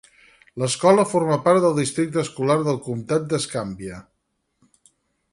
L'escola forma part del districte escolar del comtat d'Escambia.